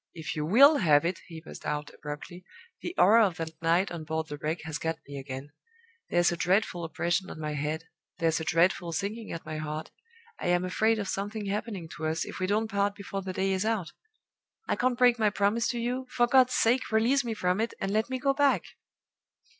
"If you will have it," he burst out, abruptly, "the horror of that night on board the Wreck has got me again; there's a dreadful oppression on my head; there's a dreadful sinking at my heart. I am afraid of something happening to us, if we don't part before the day is out. I can't break my promise to you; for God's sake, release me from it, and let me go back!"